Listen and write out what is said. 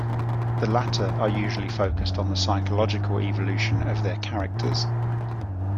The latter are usually focused on the psychological evolution of their characters.